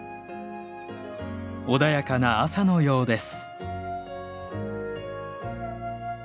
穏やかな朝のようです